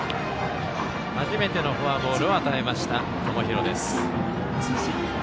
初めてのフォアボールを与えました、友廣です。